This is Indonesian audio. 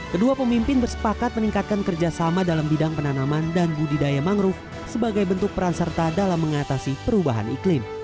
kedua pemimpin bersepakat meningkatkan kerjasama dalam bidang penanaman dan budidaya mangrove sebagai bentuk peran serta dalam mengatasi perubahan iklim